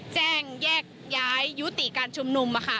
แจ้งแยกย้ายยุติการชุมนุม